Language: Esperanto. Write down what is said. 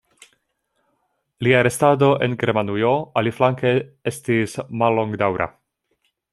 Lia restado en Germanujo, aliflanke, estis mallongdaŭra.